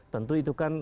tentu itu kan